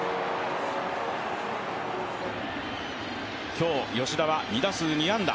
今日、吉田は２打数２安打。